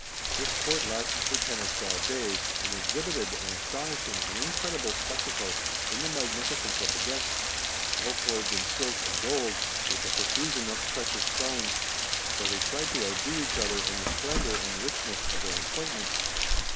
This court lasted for ten or twelve days, and exhibited an astonishing and incredible spectacle in the magnificence of the guests, all clothed in silk and gold, with a profusion of precious stones ; for they tried to outdo each other in the splendour and richness of their appointments.